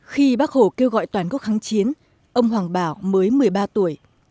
khi bác hồ kêu gọi toàn quốc kháng chiến ông hoàng bảo mới một mươi ba tuổi